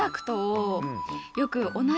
よく。